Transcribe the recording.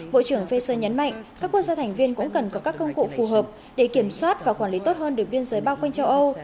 bộ trưởng fason nhấn mạnh các quốc gia thành viên cũng cần có các công cụ phù hợp để kiểm soát và quản lý tốt hơn đường biên giới bao quanh châu âu